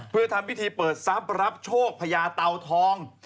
เพื่อทำพิธีเปิดทรัพย์รับโชคพญาเตาทอง